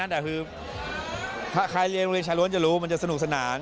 แต่ถ้าใครเรียนโคลโลยชายลวนจะรู้มันจะสนุกสนาน